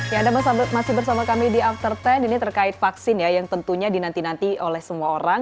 ya anda masih bersama kami di after sepuluh ini terkait vaksin ya yang tentunya dinanti nanti oleh semua orang